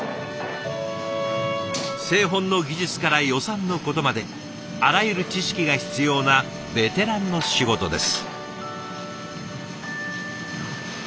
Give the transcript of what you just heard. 製本の技術から予算のことまであらゆる知識が必要なベテランの仕事です。